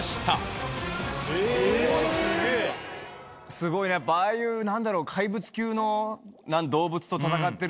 すごいねやっぱああいう何だろう。